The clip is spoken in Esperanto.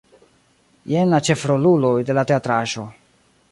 Jen la ĉefroluloj de la teatraĵo.